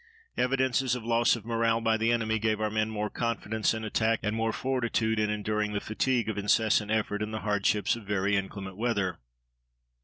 Evidences of loss of morale by the enemy gave our men more confidence in attack and more fortitude in enduring the fatigue of incessant effort and the hardships of very inclement weather.